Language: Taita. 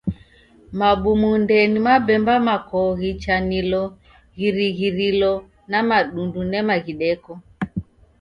Mabumunde ni mabemba makoo ghichanilo ghirighilo na madundu nema ghideko.